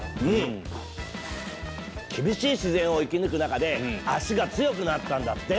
厳しい自然を生き抜く中で足が強くなったんだって！